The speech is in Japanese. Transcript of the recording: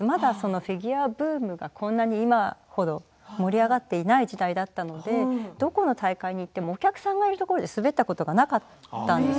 フィギュアが今のように盛り上がっていない時代だったのでどこの海外に行ってもお客さんがいるところで滑ったことがなかったんです。